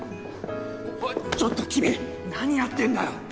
ちょっと君何やってんだよ！？